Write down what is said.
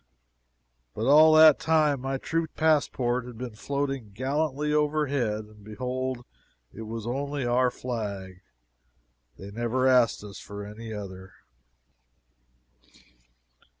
But all that time my true passport had been floating gallantly overhead and behold it was only our flag. They never asked us for any other.